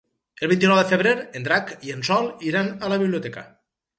El vint-i-nou de febrer en Drac i en Sol iran a la biblioteca.